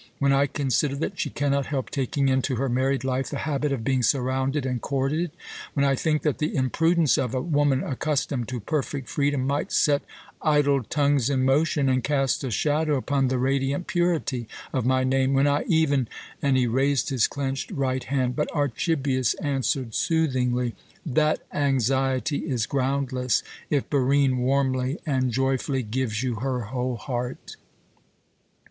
When I consider that she cannot help taking into her married life the habit of being surrounded and courted; when I think that the imprudence of a woman accustomed to perfect freedom might set idle tongues in motion, and cast a shadow upon the radiant purity of my name; when I even " and he raised his clenched right hand. But Archibius answered soothingly: "That anxiety is groundless if Barine warmly and joyfully gives you her whole heart.